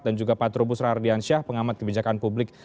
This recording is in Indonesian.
dan juga patro busra ardiansyah pengamat kebijakan publik